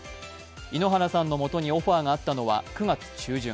井ノ原さんのもとにオファーがあったのは９月中旬。